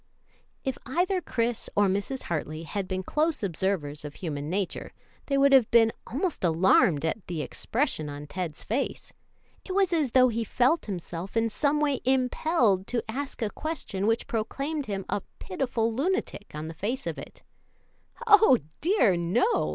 If either Chris or Mrs. Hartley had been close observers of human nature, they would have been almost alarmed at the expression on Ted's face. It was as though he felt himself in some way impelled to ask a question which proclaimed him a pitiful lunatic on the face of it. "Oh, dear, no!"